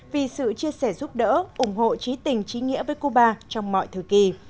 vì sự chia sẻ giúp đỡ ủng hộ trí tình trí nghĩa với cuba trong mọi thời kỳ